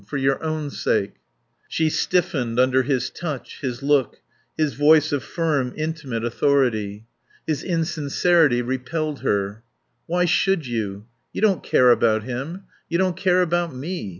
For your own sake." She stiffened under his touch, his look, his voice of firm, intimate authority. His insincerity repelled her. "Why should you? You don't care about him. You don't care about me.